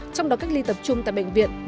trong đó cách ly tập trung tại bệnh